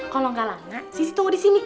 kalau nggak lama sisi tunggu di sini